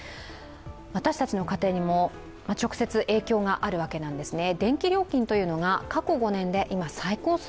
私たちの家庭にも、直接影響があるわけなんですね